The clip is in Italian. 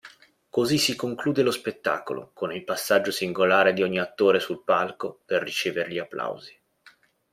Così si conclude lo spettacolo con il passaggio singolare di ogni attore sul palco per ricevere gli applausi.